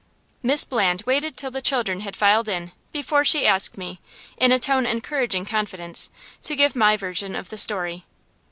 Miss Bland waited till the children had filed in before she asked me, in a tone encouraging confidence, to give my version of the story.